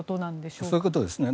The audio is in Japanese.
そういうことですね。